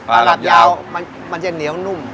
ตลาดยาวมันจะเหนียวนุ่ม